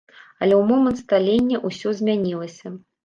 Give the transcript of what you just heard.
Але ў момант сталення ўсё змянілася.